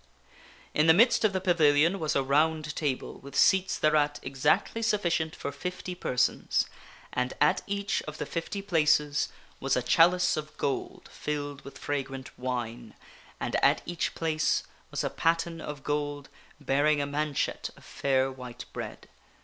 In the midst of the pavilion was a Round Table with seats thereat exactly sufficient for fifty persons, and at each of the fifty places was a chalice of gold filled with fragrant wine, and at each place was a paten of gold bearing a manchet of fair white bread.